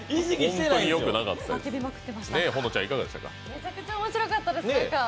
めちゃくちゃ面白かったです。